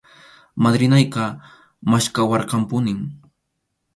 Madrinayqa maskhawarqanpunim.